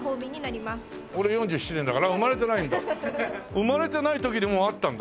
生まれてない時にもうあったんだ。